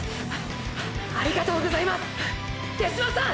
ありがとうございます手嶋さん！！